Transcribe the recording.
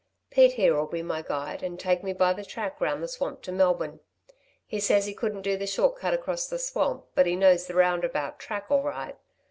Pete here'll be my guide and take me by the track round the swamp to Melbourne. He says he couldn't do the short cut across the swamp, but he knows the roundabout track all right.